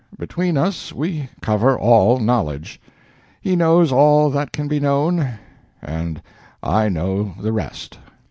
Between us we cover all knowledge. He knows all that can be known, and I know the rest."